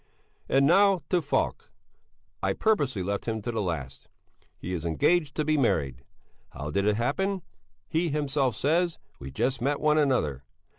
And now to Falk! I purposely left him to the last. He is engaged to be married! How did it happen? He himself says: "We just met one another!"